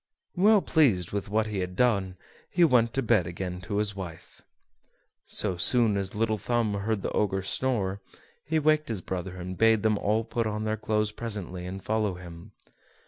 Well pleased with what he had done, he went to bed again to his wife. So soon as Little Thumb heard the Ogre snore, he waked his brothers, and bade them all put on their clothes presently and follow him.